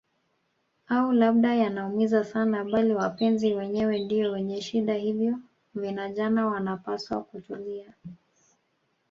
au labda yanaumiza sana bali wapenzi wenyewe ndio wenye shida hivyo vinajana wanapaswa kutulia